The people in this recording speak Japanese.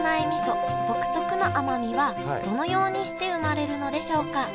みそ独特の甘みはどのようにして生まれるのでしょうか？